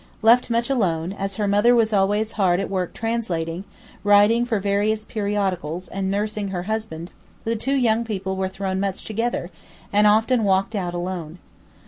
Left much alone, as her mother was always hard at work translating, writing for various periodicals and nursing her husband, the two young people were thrown much together, and often walked out alone.